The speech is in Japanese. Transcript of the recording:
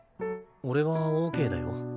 俺はオーケーだよ。